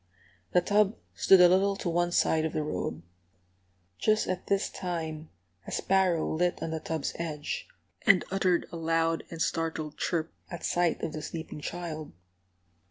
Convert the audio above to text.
The tub stood a little to one side of the road. Just at this time a sparrow lit on the tub's edge, and uttered a loud and startled chirp at sight of the sleeping child.